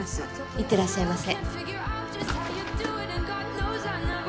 行ってらっしゃいませ。